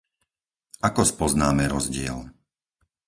Ako spoznáme rozdiel?